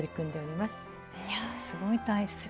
いやすごい大切。